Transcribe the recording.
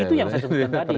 itu yang saya sebutkan tadi